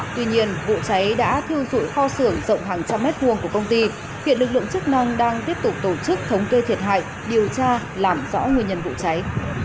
tuy nhiên vụ cháy đã thiêu rụi kho sửa rộng hàng trăm mét vuông của công ty